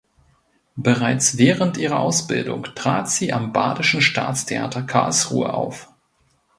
Bereits während ihrer Ausbildung trat sie am Badischen Staatstheater Karlsruhe auf.